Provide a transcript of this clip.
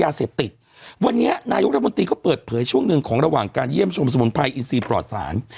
เสพติดวันนี้นายกรัฐมนตรีก็เปิดเผยช่วงหนึ่งของระหว่างการเยี่ยมชมสมุนไพรอินซีปลอดศาล